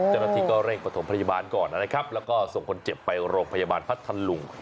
เจ้าหน้าที่ก็เร่งประถมพยาบาลก่อนนะครับแล้วก็ส่งคนเจ็บไปโรงพยาบาลพัทธลุง